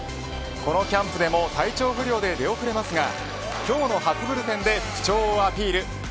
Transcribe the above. このキャンプでも体調不良で出遅れますが今日の初ブルペンで復調をアピール。